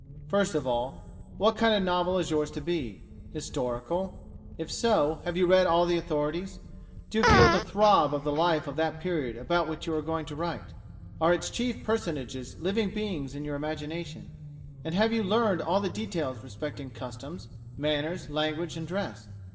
First of all, What kind of a novel is yours to be? Historical? If so, have you read all the authorities? Do you feel the throb of the life of that period about which you are going to write? Are its chief personages living beings in your imagination? and have you learned all the details respecting customs, manners, language, and dress?